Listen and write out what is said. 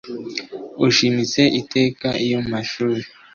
Ushimitse iteka iyo mu mashuri